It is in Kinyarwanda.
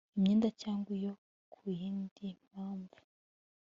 imyenda cyangwa iyo ku yindi mpamvu